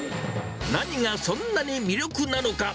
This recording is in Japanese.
何がそんなに魅力なのか。